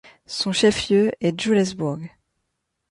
Son chef-lieu est Julesburg.